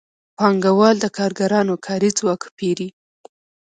پانګوال د کارګرانو کاري ځواک پېري